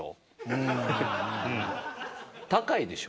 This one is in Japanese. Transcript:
高いでしょ。